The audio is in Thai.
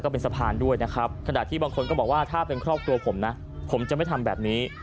เขาก็บอกว่าถ้าเป็นครอบครัวผมนะผมจะไม่ทำแบบนี้